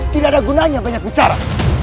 tidak ada gunanya banyak bicara